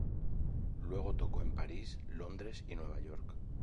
Luego tocó en París, Londres y Nueva York.